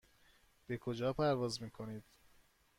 به کجا پرواز میکنید؟